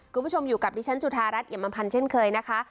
คุณผู้ชมอยู่กับดิฉันจุธารัฐเอียมอำพันธ์เช่นเคยนะคะ